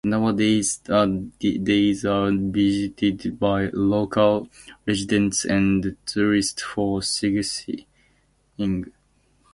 Nowadays the Dales are visited by local residents and tourists for sightseeing.